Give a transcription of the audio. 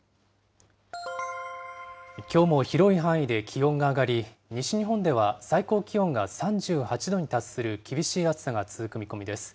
きょうも広い範囲で気温が上がり、西日本では最高気温が３８度に達する厳しい暑さが続く見込みです。